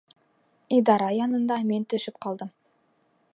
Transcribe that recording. Идара янында мин төшөп ҡалдым.